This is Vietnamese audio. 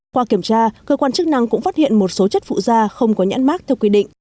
qua kiểm tra cơ quan chức năng cũng phát hiện một số chất phụ da không có nhãn mát theo quy định